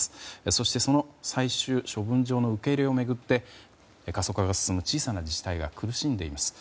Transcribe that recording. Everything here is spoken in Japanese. そして、その最終処分場の受け入れを巡って過疎化が進む小さな自治体が苦しんでいます。